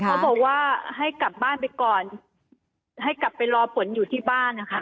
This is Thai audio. เขาบอกว่าให้กลับบ้านไปก่อนให้กลับไปรอผลอยู่ที่บ้านนะคะ